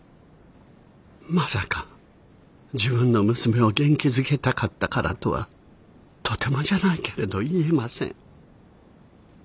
まさか自分の娘を元気づけたかったからとはとてもじゃないけれど言えません。